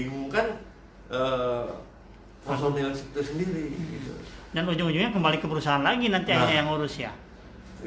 dan ujung ujungnya kembali ke perusahaan lagi nanti hanya yang urus ya